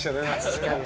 確かに。